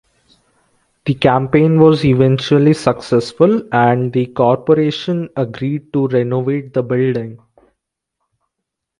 The campaign was eventually successful and the corporation agreed to renovate the building.